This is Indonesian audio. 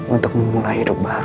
untuk memulai hidup baru